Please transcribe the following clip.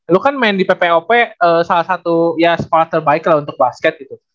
lu kan main di ppop salah satu ya sekolah terbaik lah untuk basket gitu